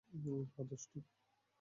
হ্যাঁ, - দুষ্টু।